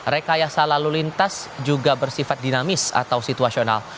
rekayasa lalu lintas juga bersifat dinamis atau situasional